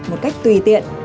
một cách tùy tiện